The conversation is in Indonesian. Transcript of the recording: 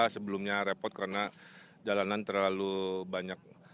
sebelumnya repot karena jalanan terlalu banyak